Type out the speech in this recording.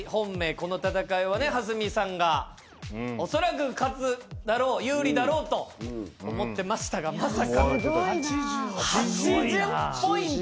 この戦いはね蓮見さんがおそらく勝つだろう有利だろうと思ってましたがまさかの８０ポイント。